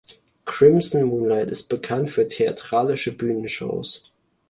Crimson Moonlight ist bekannt für theatralische Bühnenshows.